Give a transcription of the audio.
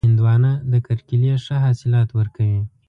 هندوانه د کرکېلې ښه حاصلات ورکوي.